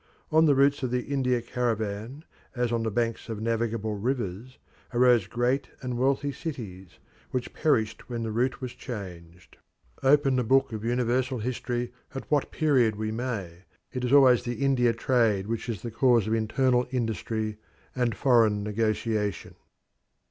On the routes of the India caravan, as on the banks of navigable rivers, arose great and wealthy cities, which perished when the route was changed. Open the book of universal history at what period we may, it is always the India trade which is the cause of internal industry and foreign negotiation.